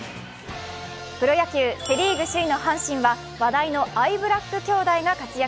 プロ野球、セ・リーグ首位の阪神は話題のアイブラック兄弟が活躍。